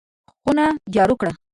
خونه جارو کړه!